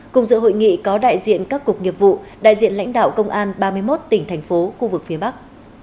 cùng dự hội nghị có đại diện các cục nghiệp vụ đại diện lãnh đạo công an ba mươi một tỉnh thành phố khu vực phía bắc